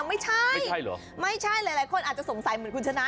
ไม่ใช่ไม่ใช่เหรอไม่ใช่หลายคนอาจจะสงสัยเหมือนคุณชนะ